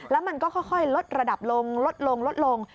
แล้วมันก็ค่อยลดระดับลงลดลงลดลง